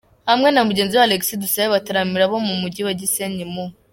hamwe na mugenzi we Alexis Dusabe bataramira abo mu mujyi wa Gisenyi mu.